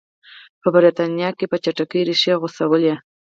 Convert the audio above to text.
په برېټانیا کې په چټکۍ ریښې غځولې.